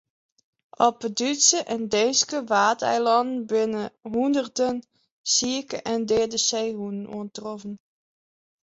Op de Dútske en Deenske Waadeilannen binne hûnderten sike en deade seehûnen oantroffen.